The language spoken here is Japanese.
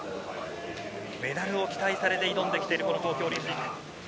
メダルを期待されて挑んできている東京オリンピック。